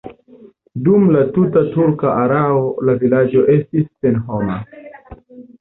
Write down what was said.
Dum la tuta turka erao la vilaĝo estis senhoma.